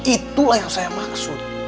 itulah yang saya maksud